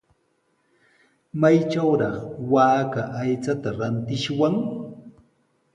¿Maytrawraq waaka aychata rantishwan?